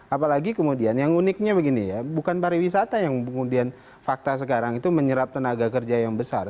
apalagi kemudian yang uniknya begini ya bukan pariwisata yang kemudian fakta sekarang itu menyerap tenaga kerja yang besar